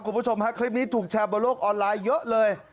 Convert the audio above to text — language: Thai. คุณผู้ชมฮะคลิปนี้ถูกแชร์บนโลกออนไลน์เยอะเลย